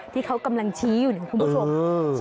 ที่เขากำลังชี้อยู่เนี่ยคุณผู้ชม